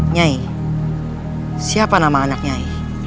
nyai siapa nama anak nyai